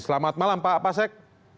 selamat malam pak pasek